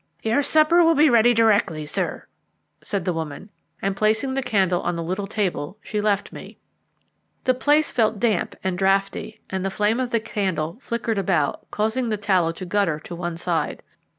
"Your supper will be ready directly, sir," said the woman, and placing the candle on the little table, she left me. The place felt damp and draughty, and the flame of the candle flickered about, causing the tallow to gutter to one side.